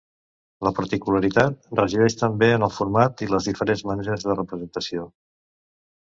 La particularitat resideix, també, en el format i les diferents maneres de representació.